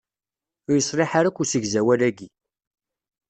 Ur yeṣliḥ ara akk usegzawal-aki.